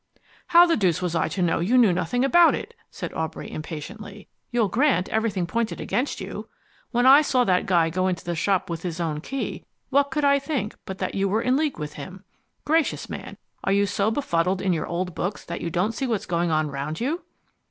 "How the deuce was I to know you knew nothing about it?" said Aubrey impatiently. "You'll grant everything pointed against you? When I saw that guy go into the shop with his own key, what could I think but that you were in league with him? Gracious, man, are you so befuddled in your old books that you don't see what's going on round you?"